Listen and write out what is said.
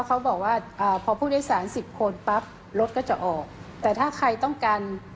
ของท่านพูดไทยสารตกลงเขาได้และอดีตแบบนี้